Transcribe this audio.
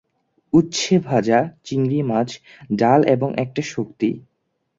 উচ্ছে ভাজা, চিংড়ি মাছ, ডাল এবং একটা শক্তি।